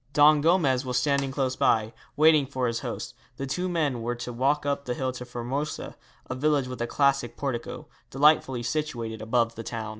Don Gomez was standing close by, waiting for his host. The two men were to walk up the hill to Formosa, a village with a classic portico, delightfully situated above the town.